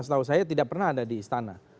setahu saya tidak pernah ada di istana